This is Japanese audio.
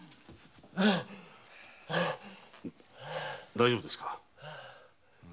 大丈夫ですか？